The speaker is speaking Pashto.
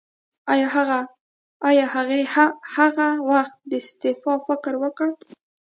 ایا هغې هغه وخت د استعفا فکر وکړ؟